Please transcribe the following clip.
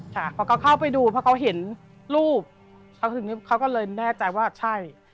เขาก็เข้าไปดูเพราะเขาเห็นรูปเขาก็เลยแน่ใจว่าใช่